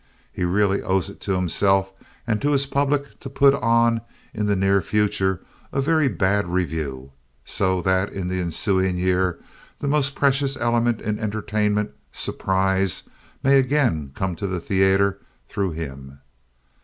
He really owes it to himself and to his public to put on, in the near future, a very bad revue so that in the ensuing year that most precious element in entertainment surprise may again come to the theater through him.